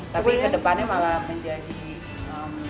tapi kedepannya malah menjadi